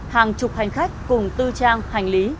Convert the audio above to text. hàng chục hành khách cùng tư trang hành lý